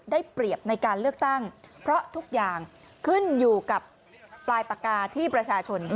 ได้เปรียบในการเลือกตั้งเพราะทุกอย่างขึ้นอยู่กับปลายปากกาที่ประชาชน